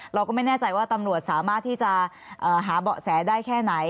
เราก็ไม่แน่ใจว่าตำรวจสามารถที่จะหาเบาะแสได้แค่ไหน